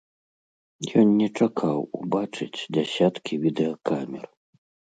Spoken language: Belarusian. Ён не чакаў убачыць дзясяткі відэакамер.